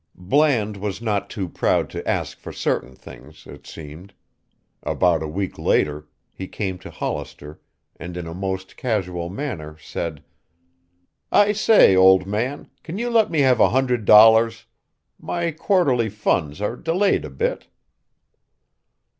Bland was not too proud to ask for certain things, it seemed. About a week later he came to Hollister and in a most casual manner said, "I say, old man, can you let me have a hundred dollars? My quarterly funds are delayed a bit."